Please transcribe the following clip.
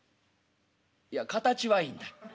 「いや形はいいんだ。